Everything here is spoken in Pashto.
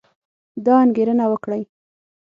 دا انګېرنه وکړئ